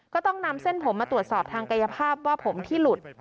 ก็ต้องนำเส้นผมมาตรวจสอบทางกายภาพว่าผมที่หลุด